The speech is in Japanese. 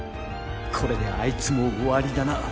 これであいつも終わりだな。